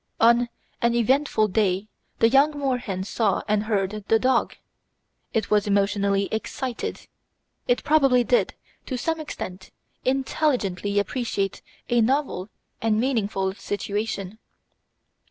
On an eventful day the young moorhen saw and heard the dog; it was emotionally excited; it probably did to some extent intelligently appreciate a novel and meaningful situation.